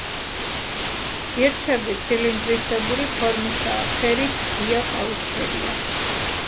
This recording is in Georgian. გირჩები ცილინდრისებური ფორმისაა, ფერით ღია ყავისფერია.